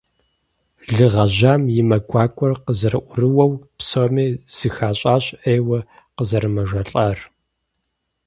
Лы гъэжьам и мэ гуакӀуэр къазэрыӀурыуэу, псоми зыхащӀащ Ӏейуэ къызэрымэжэлӀар.